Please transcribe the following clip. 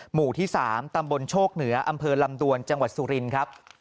หมู่ที่๓ตำบลโชคเหนืออำเภอลำดวนจังหวัดสุรินครับ